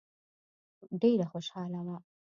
ډېره خوشاله وه.